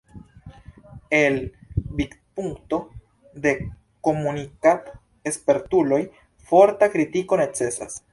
El vidpunkto de komunikad-spertuloj forta kritiko necesas.